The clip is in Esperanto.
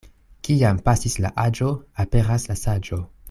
Kiam pasis la aĝo, aperas la saĝo.